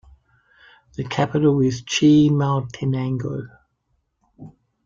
The capital is Chimaltenango.